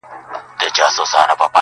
خپل ټبرشو را په یاد جهان مي هیر سو-